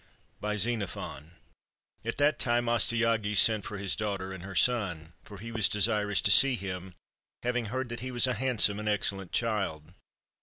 ] BY XENOPHON At that time Astyages sent for his daughter and her son; for he was desirous to see him, having heard that he was a handsome and excellent child.